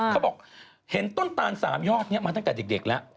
เขาบอกเห็นต้นตาล๓ยอดนี้มาตั้งแต่เด็กแล้ว